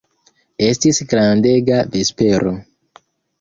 Estis grandega vespero.